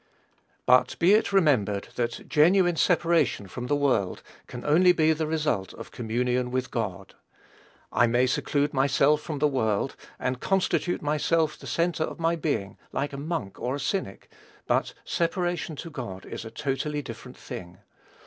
But be it remembered that genuine separation from the world can only be the result of communion with God. I may seclude myself from the world, and constitute myself the centre of my being, like a monk or a cynic; but separation to God is a totally different thing.